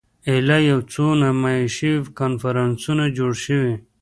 ایله یو څو نمایشي کنفرانسونه جوړ شوي.